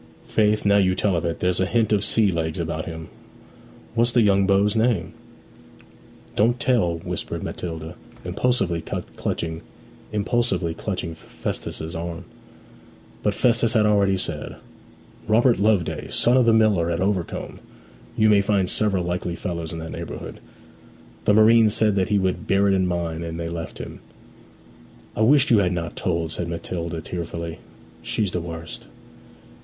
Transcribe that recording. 'Faith, now you tell of it, there's a hint of sea legs about him. What's the young beau's name?' 'Don't tell!' whispered Matilda, impulsively clutching Festus's arm. But Festus had already said, 'Robert Loveday, son of the miller at Overcombe. You may find several likely fellows in that neighbourhood.' The marine said that he would bear it in mind, and they left him. 'I wish you had not told,' said Matilda tearfully. 'She's the worst!'